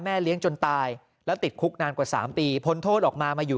เลี้ยงจนตายแล้วติดคุกนานกว่า๓ปีพ้นโทษออกมามาอยู่